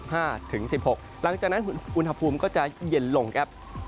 หลังจากนั้นอุณหภูมิก็จะเย็นลงครับ